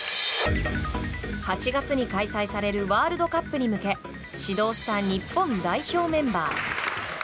８月に開催されるワールドカップに向け始動した日本代表メンバー。